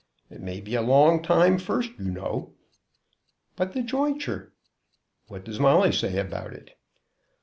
It may be a long time first, you know." "But the jointure?" "What does Molly say about it?"